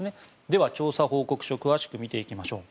では調査報告書を詳しく見ていきましょう。